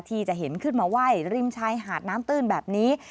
ที่จะเห็นขึ้นมาไหว้ริมชายหาดน้ำตื้นแบบนี้